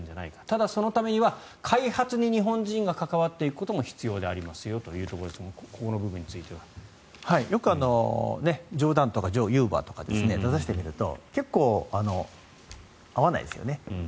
ただ、そのためには開発に日本人が関わっていくことも必要でありますよということですがここの部分については。よく冗談とかユーモアとかを出させてみると結構、合わないですよね。